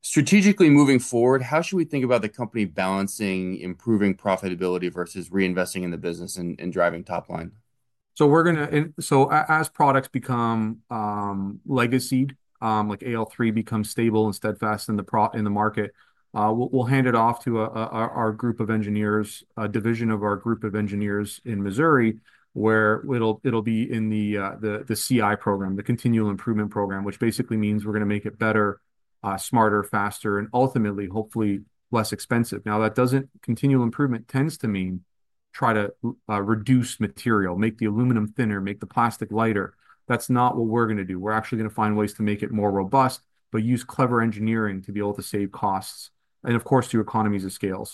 Strategically moving forward, how should we think about the company balancing improving profitability versus reinvesting in the business and driving top line? As products become legacy, like AL3 becomes stable and steadfast in the market, we'll hand it off to our group of engineers, a division of our group of engineers in Missouri, where it'll be in the CI program, the Continuous Improvement program, which basically means we're going to make it better, smarter, faster, and ultimately, hopefully, less expensive. Now, that doesn't what Continuous Improvement tends to mean try to reduce material, make the aluminum thinner, make the plastic lighter. That's not what we're going to do. We're actually going to find ways to make it more robust, but use clever engineering to be able to save costs and, of course, to economies of scale.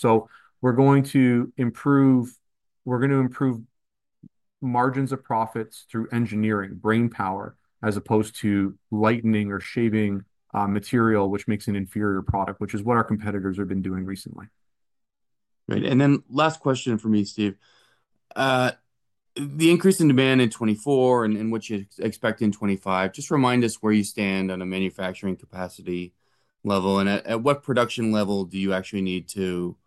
We're going to improve margins of profits through engineering, brain power, as opposed to lightening or shaving material, which makes an inferior product, which is what our competitors have been doing recently. Great. Last question for me, Steve. The increase in demand in 2024 and what you expect in 2025, just remind us where you stand on a manufacturing capacity level. At what production level do you actually need to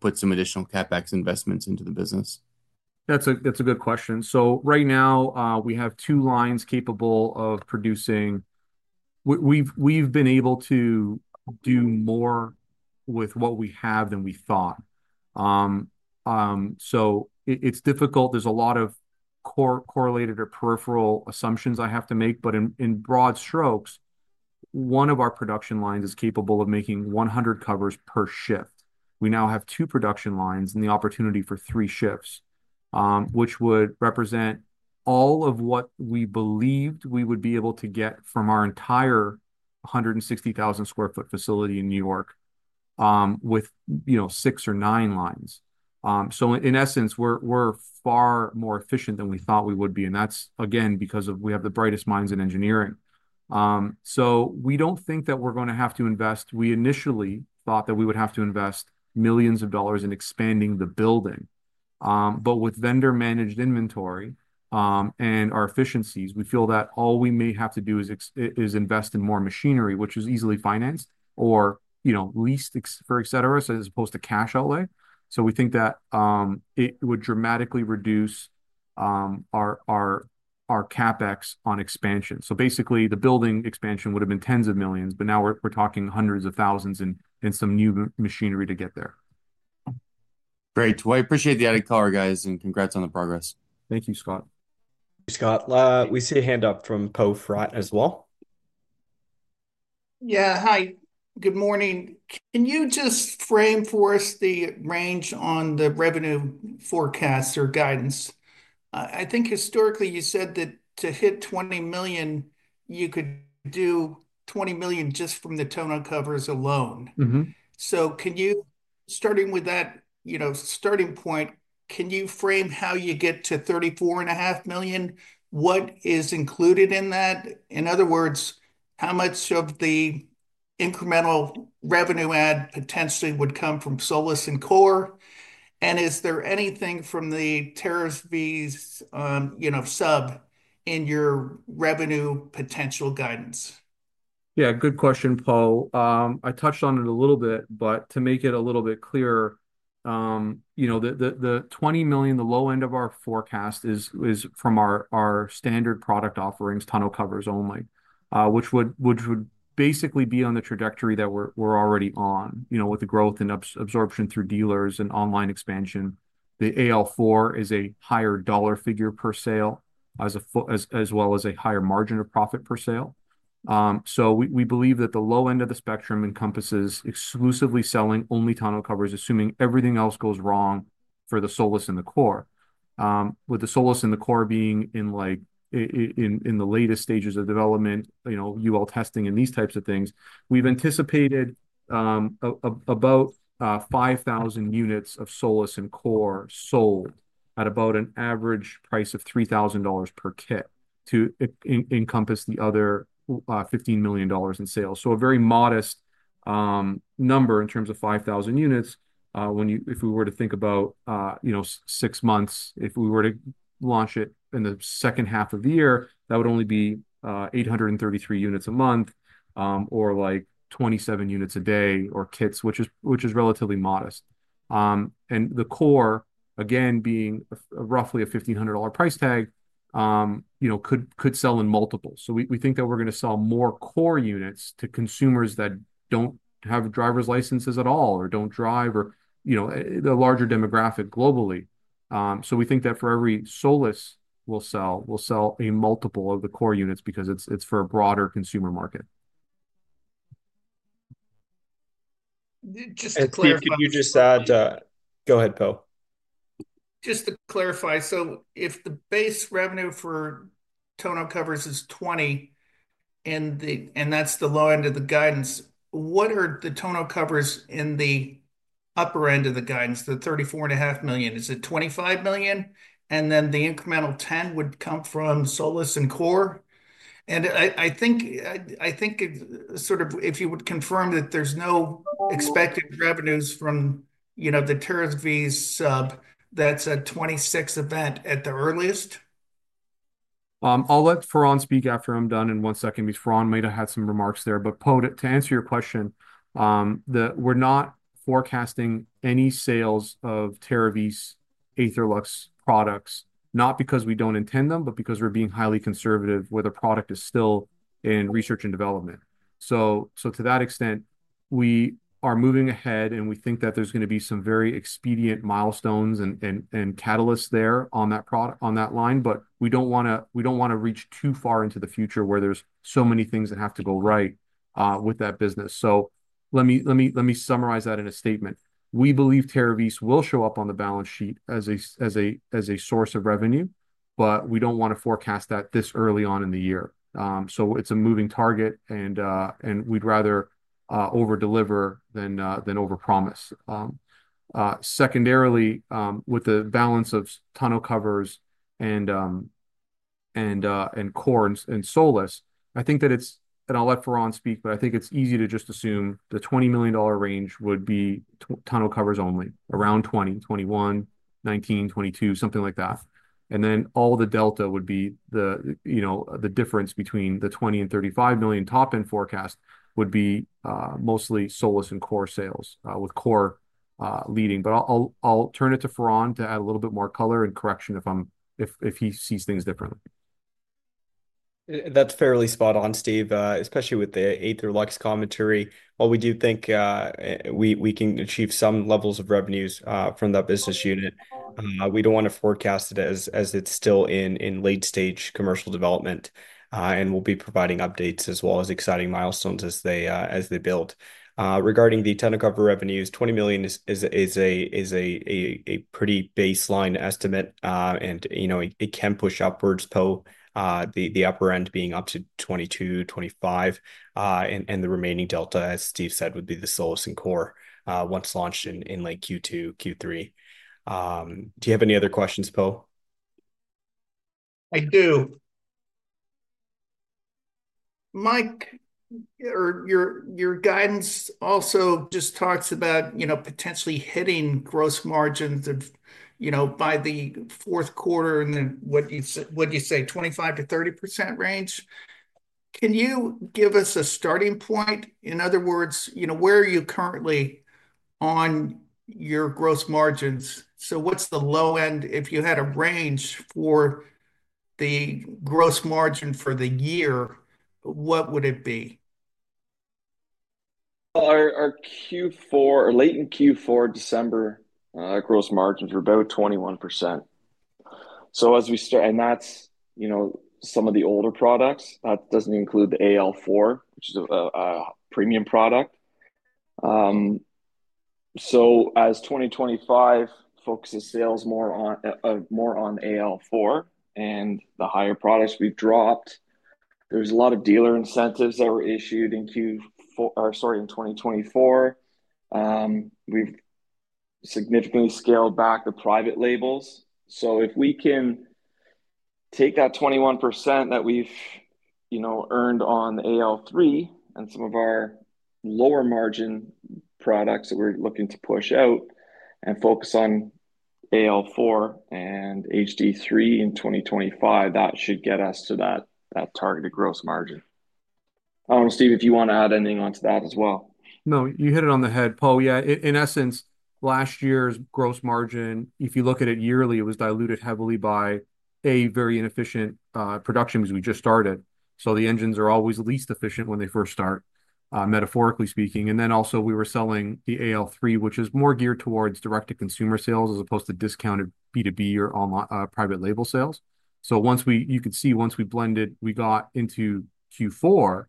put some additional CapEx investments into the business? That's a good question. Right now, we have two lines capable of producing. We've been able to do more with what we have than we thought. It's difficult. There's a lot of correlated or peripheral assumptions I have to make. In broad strokes, one of our production lines is capable of making 100 covers per shift. We now have two production lines and the opportunity for three shifts, which would represent all of what we believed we would be able to get from our entire 160,000 sq ft facility in New York with six or nine lines. In essence, we're far more efficient than we thought we would be. That's, again, because we have the brightest minds in engineering. We don't think that we're going to have to invest. We initially thought that we would have to invest millions of dollars in expanding the building. With vendor-managed inventory and our efficiencies, we feel that all we may have to do is invest in more machinery, which is easily financed or leased for, et cetera, as opposed to cash outlay. We think that it would dramatically reduce our CapEx on expansion. Basically, the building expansion would have been tens of millions, but now we're talking hundreds of thousands and some new machinery to get there. Great. I appreciate the added color, guys, and congrats on the progress. Thank you, Scott. Scott. We see a hand up from Poe Fratt as well. Yeah. Hi. Good morning. Can you just frame for us the range on the revenue forecast or guidance? I think historically you said that to hit $20 million, you could do $20 million just from the tonneau covers alone. Can you, starting with that starting point, frame how you get to $34.5 million? What is included in that? In other words, how much of the incremental revenue add potentially would come from SOLIS and COR? Is there anything from the Terravis sub in your revenue potential guidance? Yeah. Good question, Poe. I touched on it a little bit, but to make it a little bit clearer, the $20 million, the low end of our forecast is from our standard product offerings, tonneau covers only, which would basically be on the trajectory that we're already on with the growth and absorption through dealers and online expansion. The AL4 is a higher dollar figure per sale as well as a higher margin of profit per sale. We believe that the low end of the spectrum encompasses exclusively selling only tonneau covers, assuming everything else goes wrong for the SOLIS and the COR. With the SOLIS and the COR being in the latest stages of development, UL testing and these types of things, we've anticipated about 5,000 units of SOLIS and COR sold at about an average price of $3,000 per kit to encompass the other $15 million in sales. A very modest number in terms of 5,000 units. If we were to think about six months, if we were to launch it in the second half of the year, that would only be 833 units a month or 27 units a day or kits, which is relatively modest. The COR, again, being roughly a $1,500 price tag, could sell in multiples. We think that we're going to sell more COR units to consumers that don't have driver's licenses at all or don't drive or the larger demographic globally. We think that for every SOLIS we'll sell, we'll sell a multiple of the COR units because it's for a broader consumer market. Just to clarify. Can you just add? Go ahead, Poe. Just to clarify, so if the base revenue for tonneau covers is $20 million, and that's the low end of the guidance, what are the tonneau covers in the upper end of the guidance, the $34.5 million? Is it $25 million? And then the incremental $10 million would come from SOLIS and COR? I think sort of if you would confirm that there's no expected revenues from the Terravis Energy sub, that's a 2026 event at the earliest? I'll let Faran speak after I'm done in one second because Faran might have had some remarks there. Poe, to answer your question, we're not forecasting any sales of Terravis Energy's Aetherlux products, not because we don't intend them, but because we're being highly conservative where the product is still in research and development. To that extent, we are moving ahead, and we think that there's going to be some very expedient milestones and catalysts there on that line. We don't want to reach too far into the future where there's so many things that have to go right with that business. Let me summarize that in a statement. We believe Terravis Energy will show up on the balance sheet as a source of revenue, but we don't want to forecast that this early on in the year. It's a moving target, and we'd rather overdeliver than overpromise. Secondarily, with the balance of tonneau covers and COR and SOLIS, I think that it's—and I'll let Faran speak—but I think it's easy to just assume the $20 million range would be tonneau covers only, around $20 million, $21 million, $19 million, $22 million, something like that. All the delta would be the difference between the $20 million and $35 million top-end forecast, which would be mostly SOLIS and COR sales with COR leading. I'll turn it to Faran to add a little bit more color and correction if he sees things differently. That's fairly spot on, Steve, especially with the AetherLux commentary. While we do think we can achieve some levels of revenues from that business unit, we don't want to forecast it as it's still in late-stage commercial development. We'll be providing updates as well as exciting milestones as they build. Regarding the tonneau cover revenues, $20 million is a pretty baseline estimate, and it can push upwards, Poe, the upper end being up to $22 million-$25 million. The remaining delta, as Steve said, would be the SOLIS and COR once launched in late Q2, Q3. Do you have any other questions, Poe? I do. Mike, your guidance also just talks about potentially hitting gross margins by the fourth quarter in the, what do you say, 25-30% range. Can you give us a starting point? In other words, where are you currently on your gross margins? What's the low end? If you had a range for the gross margin for the year, what would it be? Our late in Q4 December gross margins were about 21%. That is some of the older products. That does not include the AL4, which is a premium product. As 2025 focuses sales more on AL4 and the higher products we have dropped, there is a lot of dealer incentives that were issued in 2024. We have significantly scaled back the private labels. If we can take that 21% that we have earned on AL3 and some of our lower margin products that we are looking to push out and focus on AL4 and HD3 in 2025, that should get us to that targeted gross margin. Steve, if you want to add anything onto that as well. No, you hit it on the head, Poe. Yeah. In essence, last year's gross margin, if you look at it yearly, it was diluted heavily by a very inefficient production because we just started. The engines are always least efficient when they first start, metaphorically speaking. Also, we were selling the AL3, which is more geared towards direct-to-consumer sales as opposed to discounted B2B or private label sales. You can see once we blended, we got into Q4,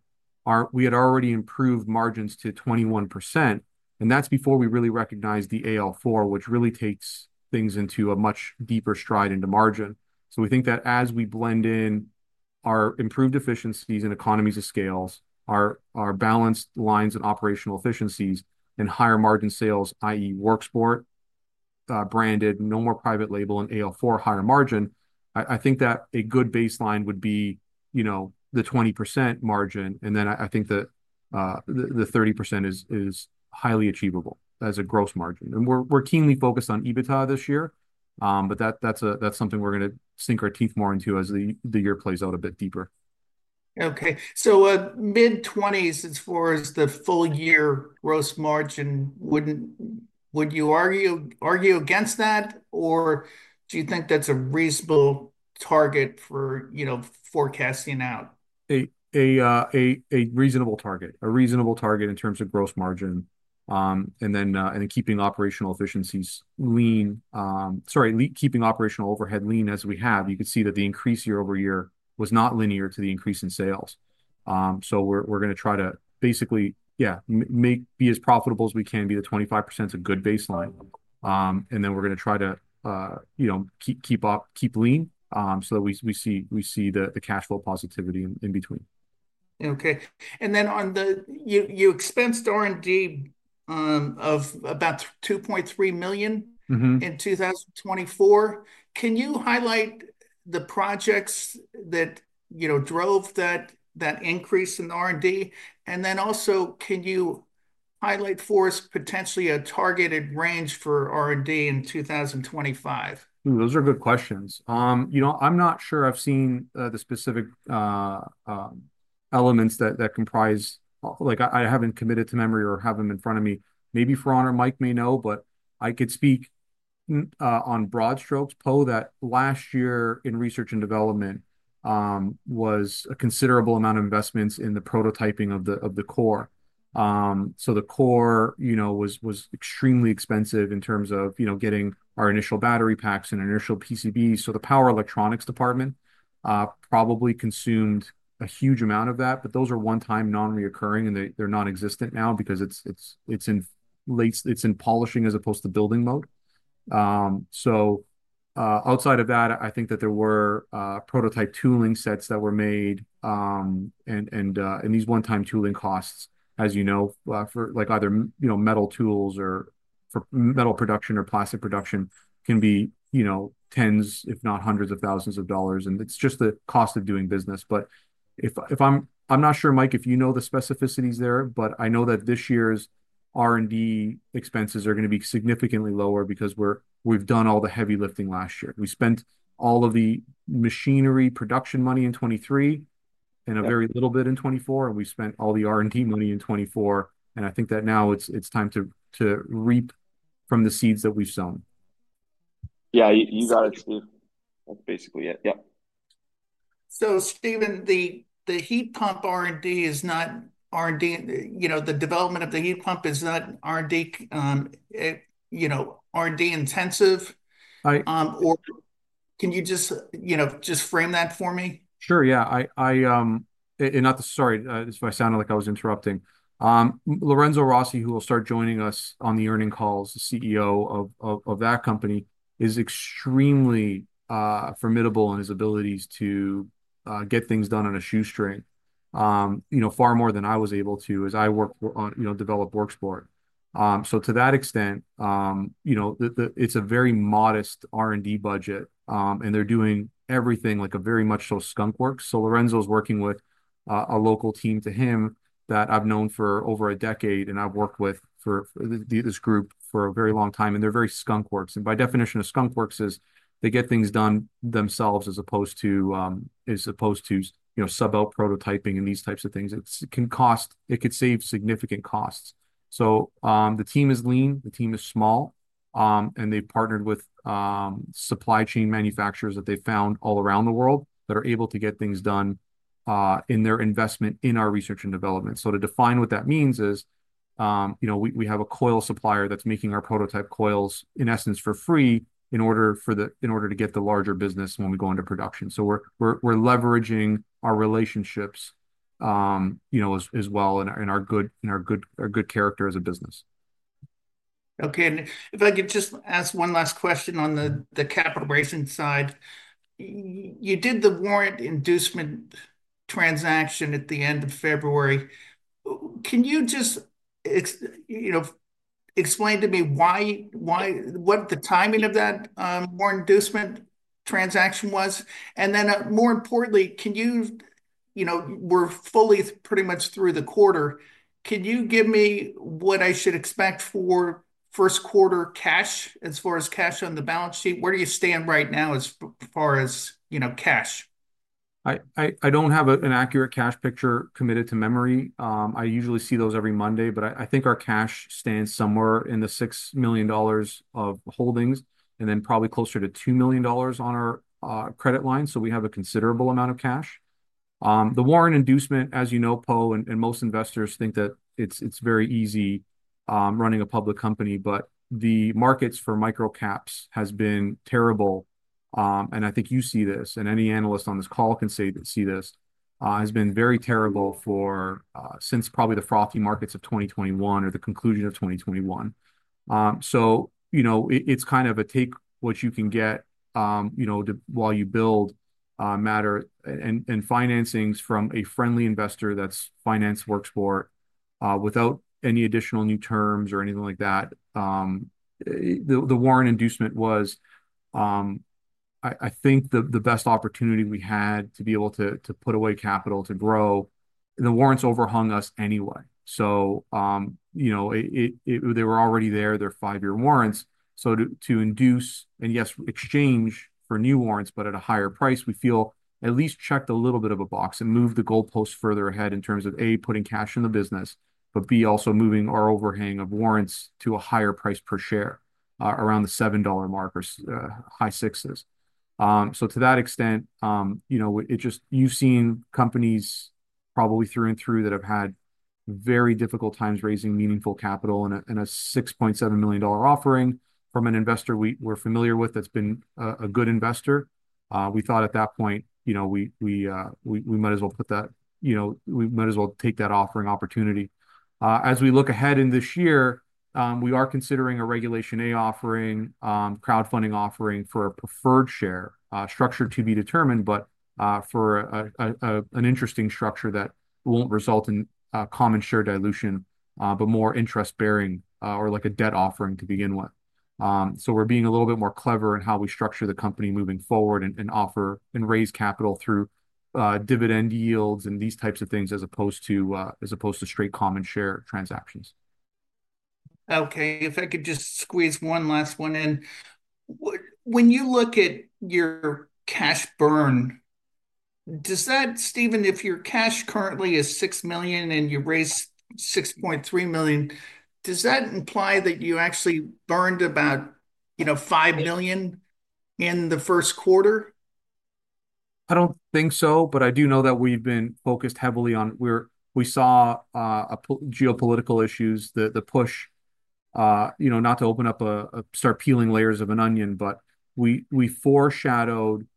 we had already improved margins to 21%. That's before we really recognized the AL4, which really takes things into a much deeper stride into margin. We think that as we blend in our improved efficiencies and economies of scale, our balanced lines and operational efficiencies and higher margin sales, i.e., Worksport branded, no more private label, and AL4 higher margin, I think that a good baseline would be the 20% margin. I think that the 30% is highly achievable as a gross margin. We are keenly focused on EBITDA this year, but that's something we're going to sink our teeth more into as the year plays out a bit deeper. Okay. Mid-20s as far as the full year gross margin, would you argue against that, or do you think that's a reasonable target for forecasting out? A reasonable target. A reasonable target in terms of gross margin. Keeping operational efficiencies lean, sorry, keeping operational overhead lean as we have. You can see that the increase year over year was not linear to the increase in sales. We are going to try to basically, yeah, be as profitable as we can, be the 25% a good baseline. We are going to try to keep lean so that we see the cash flow positivity in between. Okay. And then on your expensed R&D of about $2.3 million in 2024, can you highlight the projects that drove that increase in R&D? Also, can you highlight for us potentially a targeted range for R&D in 2025? Those are good questions. I'm not sure I've seen the specific elements that comprise—I haven't committed to memory or have them in front of me. Maybe Faran or Mike may know, but I could speak on broad strokes, Poe, that last year in research and development was a considerable amount of investments in the prototyping of the COR. So the COR was extremely expensive in terms of getting our initial battery packs and initial PCBs. The power electronics department probably consumed a huge amount of that, but those are one-time non-recurring, and they're nonexistent now because it's in polishing as opposed to building mode. Outside of that, I think that there were prototype tooling sets that were made. These one-time tooling costs, as you know, for either metal tools or metal production or plastic production can be tens, if not hundreds of thousands of dollars. It's just the cost of doing business. I'm not sure, Mike, if you know the specificities there, but I know that this year's R&D expenses are going to be significantly lower because we've done all the heavy lifting last year. We spent all of the machinery production money in 2023 and a very little bit in 2024, and we spent all the R&D money in 2024. I think that now it's time to reap from the seeds that we've sown. Yeah. You got it, Steve. That's basically it. Yep. Steven, the heat pump R&D is not R&D—the development of the heat pump is not R&D intensive. Right. Can you just frame that for me? Sure. Yeah. Sorry, this might sound like I was interrupting. Lorenzo Rossi, who will start joining us on the earning calls, the CEO of that company, is extremely formidable in his abilities to get things done on a shoestring, far more than I was able to as I worked on developed Worksport. To that extent, it's a very modest R&D budget, and they're doing everything like a very much so skunkworks. Lorenzo's working with a local team to him that I've known for over a decade, and I've worked with this group for a very long time. They're very skunkworks. By definition of skunkworks, they get things done themselves as opposed to sub-out prototyping and these types of things. It could save significant costs. The team is lean. The team is small, and they've partnered with supply chain manufacturers that they've found all around the world that are able to get things done in their investment in our research and development. To define what that means is we have a coil supplier that's making our prototype coils, in essence, for free in order to get the larger business when we go into production. We're leveraging our relationships as well and our good character as a business. Okay. If I could just ask one last question on the capital raising side. You did the warrant inducement transaction at the end of February. Can you just explain to me what the timing of that warrant inducement transaction was? More importantly, we're fully pretty much through the quarter. Can you give me what I should expect for first quarter cash as far as cash on the balance sheet? Where do you stand right now as far as cash? I do not have an accurate cash picture committed to memory. I usually see those every Monday, but I think our cash stands somewhere in the $6 million of holdings and then probably closer to $2 million on our credit line. We have a considerable amount of cash. The warrant inducement, as you know, Poe, and most investors think that it is very easy running a public company, but the markets for micro caps have been terrible. I think you see this, and any analyst on this call can see this. It has been very terrible since probably the frothy markets of 2021 or the conclusion of 2021. It is kind of a take what you can get while you build matter and financings from a friendly investor that has financed Worksport without any additional new terms or anything like that. The warrant inducement was, I think, the best opportunity we had to be able to put away capital to grow. The warrants overhung us anyway. They were already there, their five-year warrants. To induce and yes, exchange for new warrants, but at a higher price, we feel at least checked a little bit of a box and moved the goalposts further ahead in terms of, A, putting cash in the business, but B, also moving our overhang of warrants to a higher price per share around the $7 mark or high sixes. To that extent, you've seen companies probably through and through that have had very difficult times raising meaningful capital and a $6.7 million offering from an investor we're familiar with that's been a good investor. We thought at that point we might as well put that, we might as well take that offering opportunity. As we look ahead in this year, we are considering a Regulation A offering, crowdfunding offering for a preferred share, structure to be determined, but for an interesting structure that won't result in common share dilution, but more interest-bearing or like a debt offering to begin with. We are being a little bit more clever in how we structure the company moving forward and offer and raise capital through dividend yields and these types of things as opposed to straight common share transactions. Okay. If I could just squeeze one last one in. When you look at your cash burn, does that, Steven, if your cash currently is $6 million and you raise $6.3 million, does that imply that you actually burned about $5 million in the first quarter? I don't think so, but I do know that we've been focused heavily on we saw geopolitical issues, the push not to open up a start peeling layers of an onion, but we foreshadowed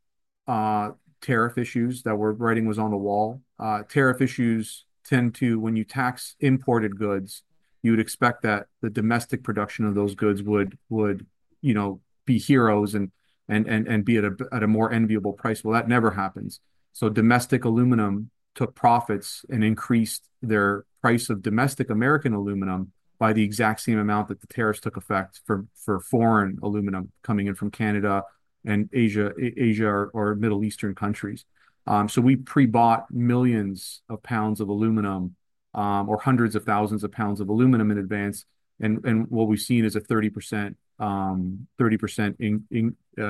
tariff issues that were writing was on the wall. Tariff issues tend to, when you tax imported goods, you would expect that the domestic production of those goods would be heroes and be at a more enviable price. That never happens. Domestic aluminum took profits and increased their price of domestic American aluminum by the exact same amount that the tariffs took effect for foreign aluminum coming in from Canada and Asia or Middle Eastern countries. We pre-bought millions of pounds of aluminum or hundreds of thousands of pounds of aluminum in advance. What we've seen is a 30%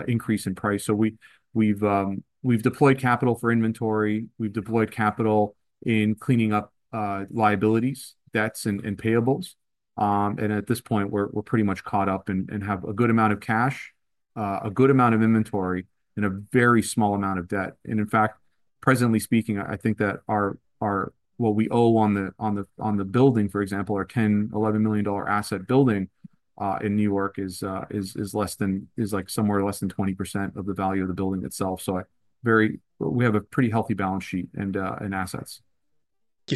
increase in price. We've deployed capital for inventory. We've deployed capital in cleaning up liabilities, debts, and payables. At this point, we're pretty much caught up and have a good amount of cash, a good amount of inventory, and a very small amount of debt. In fact, presently speaking, I think that what we owe on the building, for example, our $10 million-$11 million asset building in New York, is like somewhere less than 20% of the value of the building itself. We have a pretty healthy balance sheet and assets.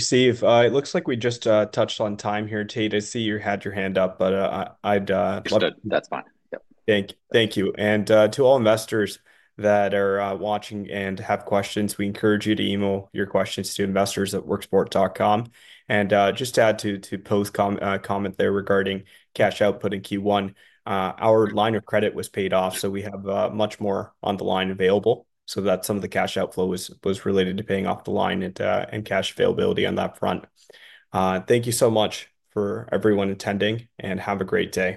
Steve, it looks like we just touched on time here. Tate, I see you had your hand up, but I'd love to. Yep. That's fine. Yep. Thank you. To all investors that are watching and have questions, we encourage you to email your questions to investors@worksport.com. Just to add to Poe's comment there regarding cash output in Q1, our line of credit was paid off, so we have much more on the line available. Some of the cash outflow was related to paying off the line and cash availability on that front. Thank you so much for everyone attending, and have a great day.